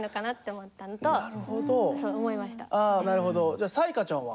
じゃあ彩加ちゃんは？